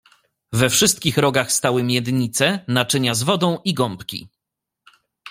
"We wszystkich rogach stały miednice, naczynia z wodą i gąbki."